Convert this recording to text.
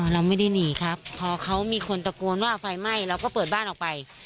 เราไม่ได้หนีครับพอเขามีคนตะโกนว่าไฟไหม้เราก็เปิดบ้านออกไป